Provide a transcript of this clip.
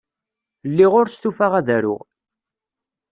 Lliɣ ur stufaɣ ad aruɣ.